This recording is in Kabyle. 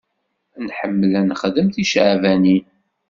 Nḥemmel ad nexdem ticeɛbanin.